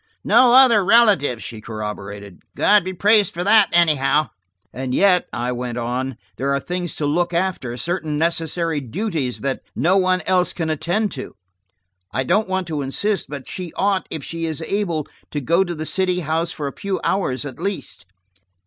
"No other relatives," she corroborated. "God be praised for that, anyhow." "And yet," I went on, "there are things to look after, certain necessary duties that no one else can attend to. I don't want to insist, but she ought, if she is able, to go to the city house, for a few hours, at least.